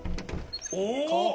お！